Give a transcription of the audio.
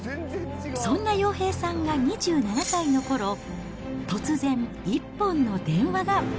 そんな洋平さんが２７歳のころ、突然、一本の電話が。